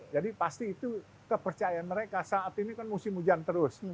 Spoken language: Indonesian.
jadi pasti itu kepercayaan mereka saat ini kan musim hujan terus